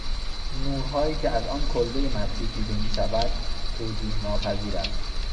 نورهایی که از آن کلبهی متروک دیده میشود، توجیحناپذیر است!